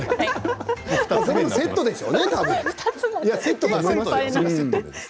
セットでしょうね。